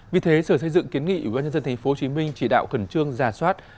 vì thế sở xây dựng kiến nghị của bác nhân dân tp hcm chỉ đạo khẩn trương giả soát